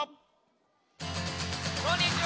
こんにちは！